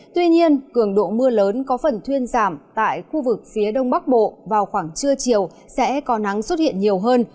tuy nhiên cường độ mưa lớn có phần thuyên giảm tại khu vực phía đông bắc bộ vào khoảng trưa chiều sẽ có nắng xuất hiện nhiều hơn